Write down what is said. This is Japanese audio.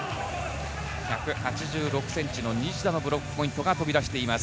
１８６ｃｍの西田のブロックポイントが飛び出しています。